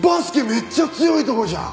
めっちゃ強いとこじゃん！